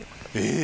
え！